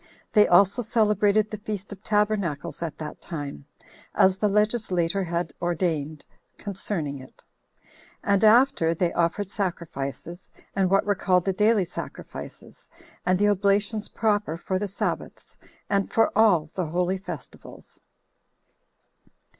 They also celebrated the feast of tabernacles at that time, as the legislator had ordained concerning it; and after they offered sacrifices, and what were called the daily sacrifices, and the oblations proper for the Sabbaths, and for all the holy festivals.